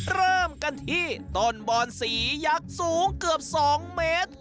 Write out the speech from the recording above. เริ่มกันที่ต้นบอนสียักษ์สูงเกือบ๒เมตร